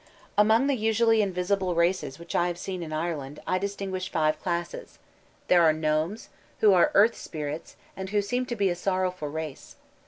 "'Among the usually invisible races which I have seen in Ireland, I distinguish five classes. There are the Gnomes, who are earth spirits, and who seem to be a sorrowful race.